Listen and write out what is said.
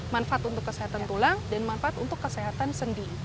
manfaat untuk kesehatan tulang dan manfaat untuk kesehatan sendi